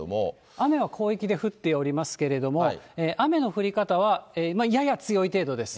雨は広域で降っておりますけれども、雨の降り方はやや強い程度です。